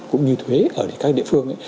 cũng như thuế ở các địa phương